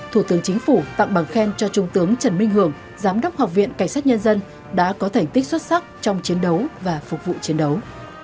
thủ tướng chính phủ tặng bằng khen cho trung tướng trần minh hưởng giám đốc học viện cảnh sát nhân dân đã có thành tích xuất sắc trong chiến đấu và phục vụ chiến đấu